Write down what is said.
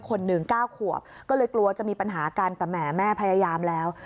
คนหนึ่ง๙ขวบก็เลยกลัวจะมีปัญหากันแต่แหมแม่พยายามแล้ว